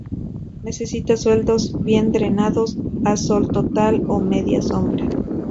Necesitan suelos bien drenados, a sol total o media sombra.